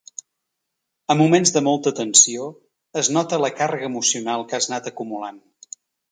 En moments de molta tensió es nota la càrrega emocional que has anat acumulant.